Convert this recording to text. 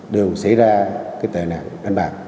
đều xảy ra tệ nạn đánh bạc